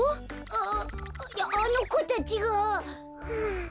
あいやあのこたちが。